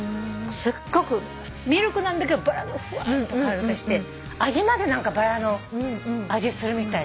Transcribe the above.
すっごくミルクなんだけどバラのふわっと香りがして味まで何かバラの味するみたいな。